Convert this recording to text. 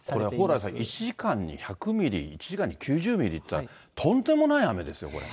これ、蓬莱さん、１時間に１００ミリ、１時間に９０ミリって、とんでもない雨ですよ、これ。